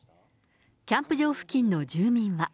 キャンプ場付近の住民は。